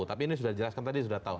tapi ini sudah dijelaskan tadi sudah tahu